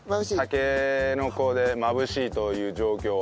たけのこでまぶしいという状況は。